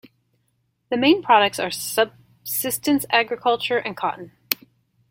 The main products are subsistence agriculture and cotton.